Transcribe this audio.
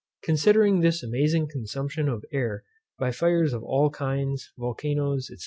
Considering this amazing consumption of air, by fires of all kinds, volcanos, &c.